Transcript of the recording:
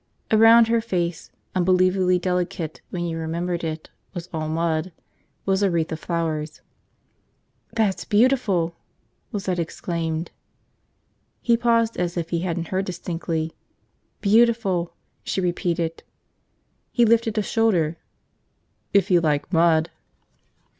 Around the face, unbelievably delicate when you remembered it was all mud, was a wreath of flowers. "That's beautiful!" Lizette exclaimed. He paused as if he hadn't heard distinctly. "Beautiful," she repeated. He lifted a shoulder. "If you like mud."